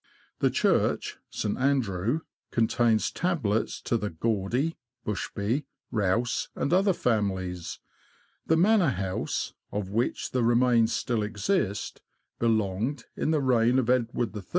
The church (St. Andrew) contains tablets to the Gawdy, Bushby, Rouse, and other families. The manor house, of which the remains still exist, belonged, in the reign of Edward III.